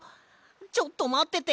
ちょっとまってて！